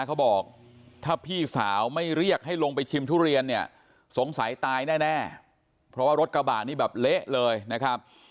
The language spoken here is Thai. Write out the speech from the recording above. เขาบอกถ้าพี่สาวไม่เรียกให้ลงไปชิมทุเรียนเนี่ยสงสัยตายแน่เพราะว่ารถกระบะนี่แบบเละเลยนะครับ